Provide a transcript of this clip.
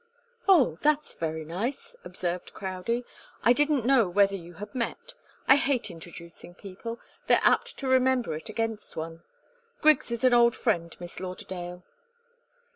"Oh! that's very nice," observed Crowdie. "I didn't know whether you had met. I hate introducing people. They're apt to remember it against one. Griggs is an old friend, Miss Lauderdale."